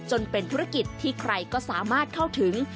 จนเป็นธุรกิจที่ใครก็สามารถเข้าถึง